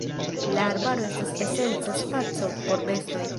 La arbaro estas esenca spaco por bestoj.